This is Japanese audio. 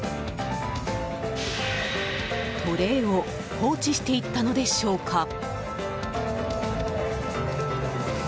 トレーを放置していったのでしょうか。